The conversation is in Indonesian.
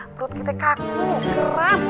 perut kita kaku kerap